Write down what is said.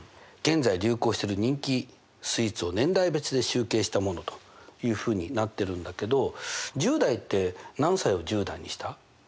現在流行してる人気スイーツを年代別で集計したものというふうになってるんだけど１０代って何歳を１０代にした？